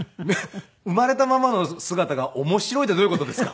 生まれたままの姿が面白いってどういう事ですか。